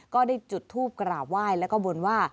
ก็ได้จุดทูปกราบไหว้แล้วก็บนว่า